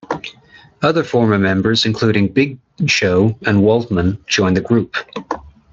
Other former members, including Big Show and Waltman, joined the group.